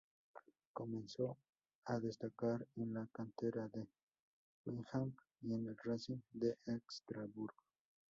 Comenzó a destacar en la cantera del Guingamp y en el Racing de Estrasburgo.